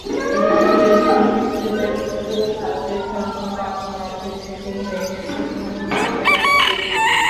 এদিকে পুলিশের মহিষ-খোঁজা নিয়ে পুরো ভারতের সংবাদমাধ্যমে শুরু হয়ে গেছে তুমুল ব্যঙ্গ-বিদ্রূপ।